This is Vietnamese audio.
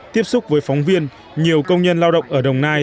tiếp xúc với phóng viên nhiều công nhân lao động ở đồng nai